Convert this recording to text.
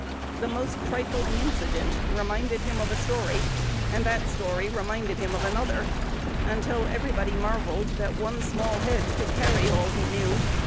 The most trifling incident "reminded" him of a story, and that story reminded him of another, until everybody marvelled "that one small head could carry all he knew."